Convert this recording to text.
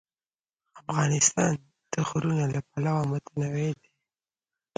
افغانستان د غرونه له پلوه متنوع دی.